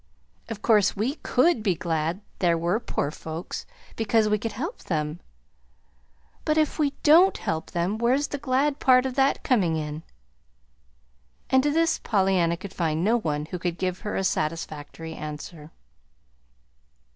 Of course we COULD be glad there were poor folks, because we could help them. But if we DON'T help them, where's the glad part of that coming in?" And to this Pollyanna could find no one who could give her a satisfactory answer.